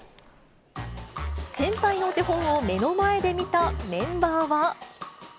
先輩のお手本を目の前で見たメンバーは。